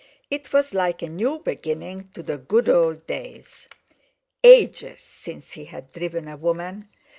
It was like a new beginning to the good old days. Ages since he had driven a woman!